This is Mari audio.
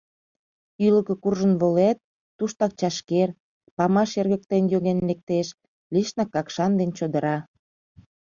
Ӱлыкӧ куржын волет — туштак чашкер, памаш йыргыктен йоген лектеш, лишнак Какшан ден чодыра.